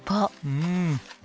うん。